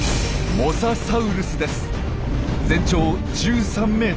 全長１３ｍ！